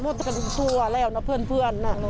หมดการุงตัวแล้วนะเพื่อนนะ